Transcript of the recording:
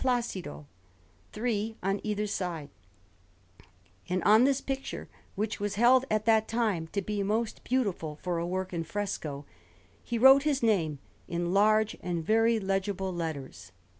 Placido, three on either side; and on this picture, which was held at that time to be most beautiful for a work in fresco, he wrote his name in large and very legible letters.